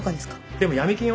でも闇金はね